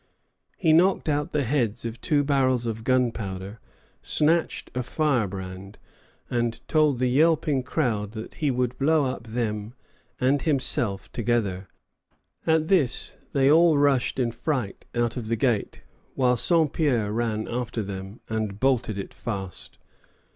He knocked out the heads of two barrels of gunpowder, snatched a firebrand, and told the yelping crowd that he would blow up them and himself together. At this they all rushed in fright out of the gate, while Saint Pierre ran after them, and bolted it fast.